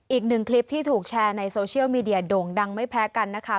อีกหนึ่งคลิปที่ถูกแชร์ในโซเชียลมีเดียโด่งดังไม่แพ้กันนะคะ